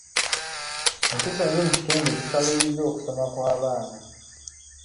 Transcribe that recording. Empisa embi mu kitundu zikalubizza okusoma kw'abaana.